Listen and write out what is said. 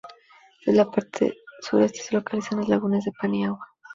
En la parte sureste se localizan las lagunas de Paniagua.